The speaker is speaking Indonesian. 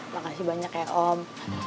makasih banyak ya om